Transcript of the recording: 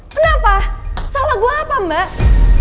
kenapa salah gue apa mbak